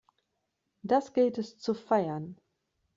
Das gilt es zu feiern!